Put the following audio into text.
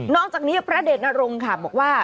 จากนี้พระเดชนรงค์ค่ะบอกว่า